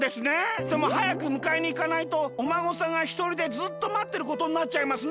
でもはやくむかえにいかないとおまごさんがひとりでずっとまってることになっちゃいますね。